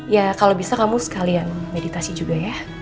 ya kalau bisa kamu sekalian meditasi juga ya